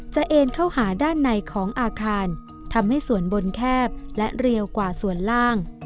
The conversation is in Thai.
เอ็นเข้าหาด้านในของอาคารทำให้ส่วนบนแคบและเรียวกว่าส่วนล่าง